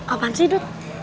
apaan sih edut